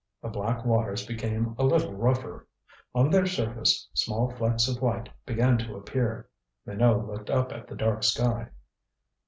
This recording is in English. The black waters became a little rougher. On their surface small flecks of white began to appear. Minot looked up at the dark sky.